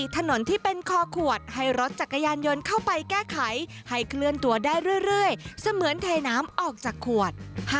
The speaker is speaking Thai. ถนนที่เป็นคอขวดให้รถจักรยานยนต์เข้าไปแก้ไขให้เคลื่อนตัวได้เรื่อยเสมือนไทยน้ำออกจากขวด